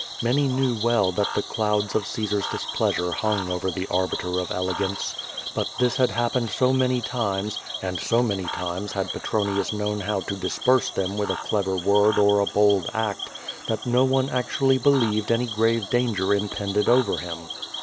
Many knew well that the clouds of Caesar's displeasure hung over the Arbiter of Elegance. But this had happened so many times, and so many times had Petronius known how to disperse them with a clever word or a bold act, that no one actually believed any grave danger impended over him.